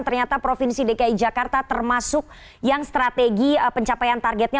ternyata provinsi dki jakarta termasuk yang strategi pencapaian targetnya